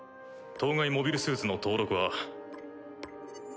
当該モビルスーツの登録は。